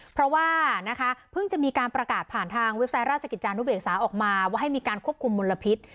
เพราะว่านะคะเพิ่งจะมีการประกาศผ่านทางเว็บไซต์ราชกิจจานุเบกษาออกมาว่าให้มีการควบคุมมลพิษ